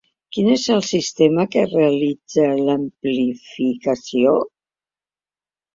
Quin és el sistema que realitza l'amplificació?